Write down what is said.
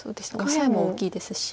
オサエも大きいですし。